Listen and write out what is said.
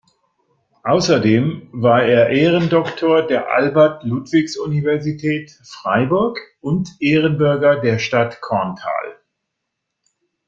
Außerdem war er Ehrendoktor der Albert-Ludwigs-Universität Freiburg und Ehrenbürger der Stadt Korntal.